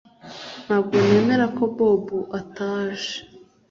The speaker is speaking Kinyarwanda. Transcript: Ntabwo nemera ko Bobo ataje